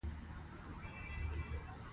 زموږ ټولنیزه او کورنۍ روزنه داسې شوي